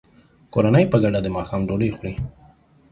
کورنۍ په ګډه د ماښام ډوډۍ خوري.